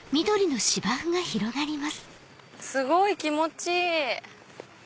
すごい気持ちいい！